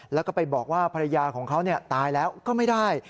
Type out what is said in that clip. แล้วก็ไปบอกว่าภรรยาของเขาตายแล้วก็ไม่ได้